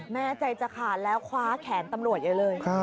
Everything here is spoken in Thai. แม่ใจจักรคาญแล้วคว้าแขนตำรวจเลย